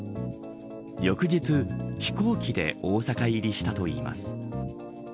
翌日、飛行機で大阪入りしたといいます。